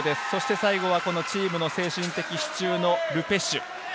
最後はチームの精神的支柱ル・ペシュ。